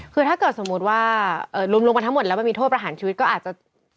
คือถ้าเกิดสมมุติว่าลุมลงไปทั้งหมดแล้วมันมีโทษประหารชีวิตก็อาจจะ